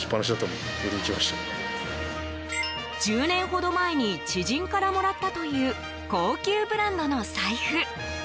１０年ほど前に知人からもらったという高級ブランドの財布。